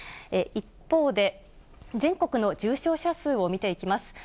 一方で、全国の重症者数を見ていきます。